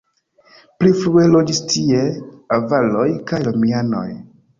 Pli frue loĝis tie avaroj kaj romianoj.